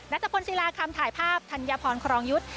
ตะพลศิลาคำถ่ายภาพธัญพรครองยุทธ์